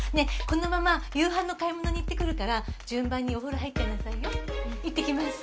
このまま夕飯の買い物に行ってくるから順番にお風呂入っちゃいなさいよ行ってきます